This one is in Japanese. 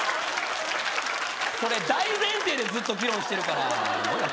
それ大前提でずっと議論してるからもうええわ